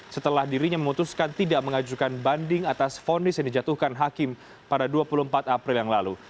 setelah dirinya memutuskan tidak mengajukan banding atas fonis yang dijatuhkan hakim pada dua puluh empat april yang lalu